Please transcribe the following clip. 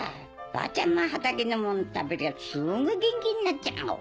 ばあちゃんの畑のもん食べりゃすぐ元気になっちゃうよ。